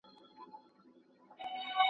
په سیالانو کي ناسیاله وه خوږ من وه.